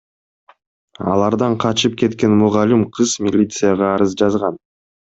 Алардан качып кеткен мугалим кыз милицияга арыз жазган.